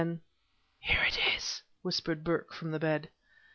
Then: "Here it is!" whispered Burke from the bed.